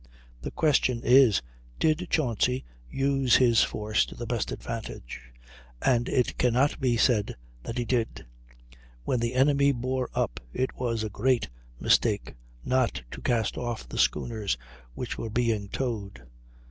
The question is, did Chauncy use his force to the best advantage? And it can not be said that he did. When the enemy bore up it was a great mistake not to cast off the schooners which were being towed.